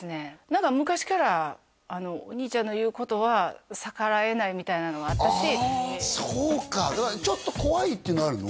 何か昔からお兄ちゃんの言うことは逆らえないみたいなのはあったしそうかだからちょっと怖いっていうのはあるの？